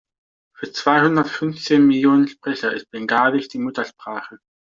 Für zweihundertfünfzehn Millionen Sprecher ist Bengalisch die Muttersprache.